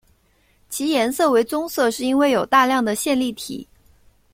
其颜色为棕色是因为有大量的线粒体。